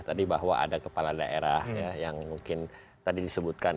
tadi bahwa ada kepala daerah yang mungkin tadi disebutkan